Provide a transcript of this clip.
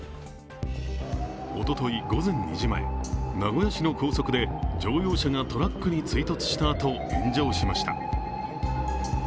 おととい午前２時前名古屋市の高速で乗用車がトラックに追突したあと炎上しました。